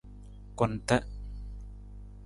Kunta.